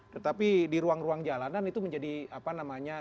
tetapi di ruang ruang jalanan itu menjadi apa namanya